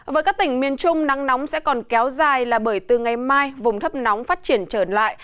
với các tỉnh miền trung nắng nóng sẽ còn kéo dài là bởi từ ngày mai vùng thấp nóng phát triển trở lại